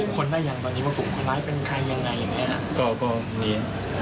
ก็มี